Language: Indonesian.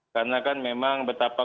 karena kan memang betapa